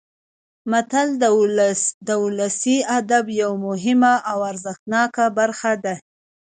متل د ولسي ادب یوه مهمه او ارزښتناکه برخه ده